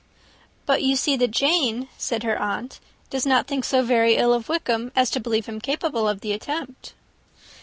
"But you see that Jane," said her aunt, "does not think so ill of Wickham, as to believe him capable of the attempt."